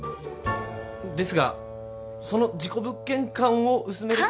ですがその事故物件感を薄める。